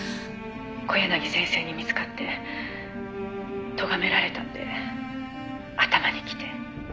「小柳先生に見つかってとがめられたので頭にきて」